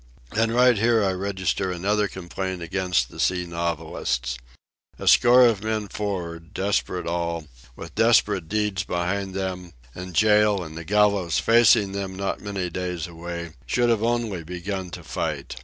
And right here I register another complaint against the sea novelists. A score of men for'ard, desperate all, with desperate deeds behind them, and jail and the gallows facing them not many days away, should have only begun to fight.